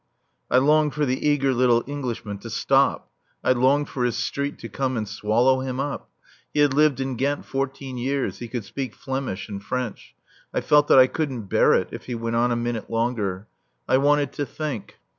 I longed for the eager little Englishman to stop. I longed for his street to come and swallow him up. He had lived in Ghent fourteen years. He could speak Flemish and French. I felt that I couldn't bear it if he went on a minute longer. I wanted to think.